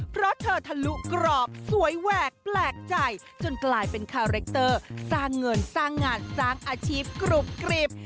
เพราะเธอทะลุกรอบสวยแหวกแปลกใจจนกลายเป็นคาแรคเตอร์สร้างเงินสร้างงานสร้างอาชีพกรุบกรีบ